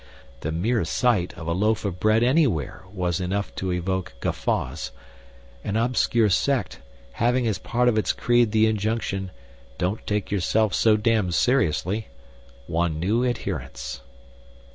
The mere sight of a loaf of bread anywhere was enough to evoke guffaws. An obscure sect, having as part of its creed the injunction "Don't take yourself so damn seriously," won new adherents.